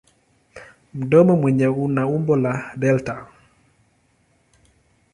Mdomo wenyewe una umbo la delta.